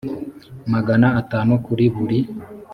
magana atanu kuri buri